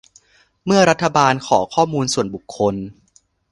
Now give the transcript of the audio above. เมื่อรัฐบาลขอข้อมูลส่วนบุคคล